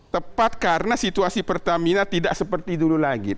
tepat karena situasi pertamina tidak seperti dulu lagi